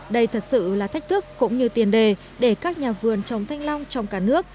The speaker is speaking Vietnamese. đây thật sự là thách thức cũng như tiền đề để các nhà vườn chống thanh long trong cả nước